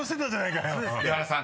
［栗原さん